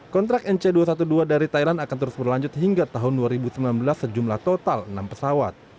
kontrak nc dua ratus dua belas dari thailand akan terus berlanjut hingga tahun dua ribu sembilan belas sejumlah total enam pesawat